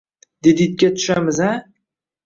Di-ditga tushamiz-a?